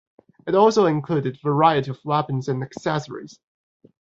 It also included variety of weapons and accessories.